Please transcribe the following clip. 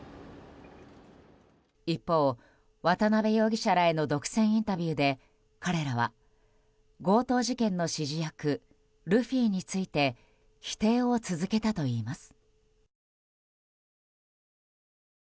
一方、渡邉容疑者らへの独占インタビューで彼らは強盗事件の指示役ルフィについて否定を続けたといいます。